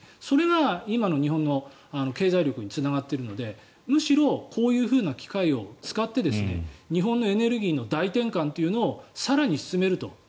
それが今の日本の経済力につながっているのでむしろこういうふうな機会を使って日本のエネルギーの大転換を更に進めると。